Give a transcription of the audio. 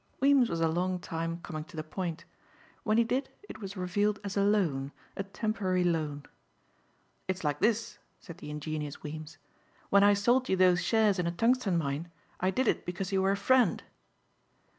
Weems was a long time coming to the point. When he did it was revealed as a loan, a temporary loan. "It's like this," said the ingenuous Weems, "when I sold you those shares in a tungsten mine I did it because you were a friend."